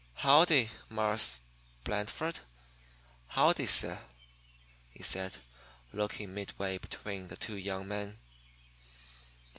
"Howdy, Marse Blandford howdy, suh?" he said, looking midway between the two young men.